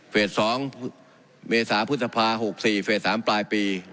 ๒เมษาพฤษภา๖๔เฟส๓ปลายปี